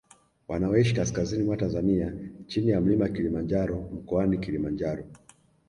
Wanaoishi kaskazini mwa Tanzania chini ya mlima Kilimanjaro mkoani Kilimanjaro